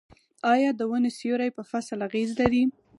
آیا د ونو سیوری په فصل اغیز لري؟